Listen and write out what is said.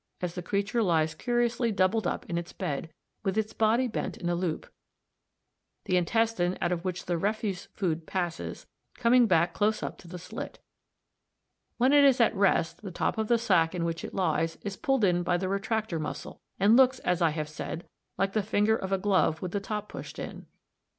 73) as the creature lies curiously doubled up in its bed, with its body bent in a loop; the intestine i, out of which the refuse food passes, coming back close up to the slit. When it is at rest, the top of the sac in which it lies is pulled in by the retractor muscle r, and looks, as I have said, like the finger of a glove with the top pushed in.